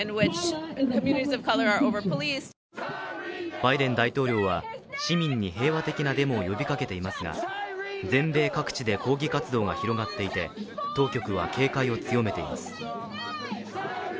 バイデン大統領は、市民に平和的なデモを呼びかけていますが、全米各地で抗議活動が広がっていて当局は警戒を強めています。